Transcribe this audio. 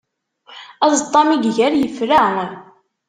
Aẓeṭṭa mi iger yefra.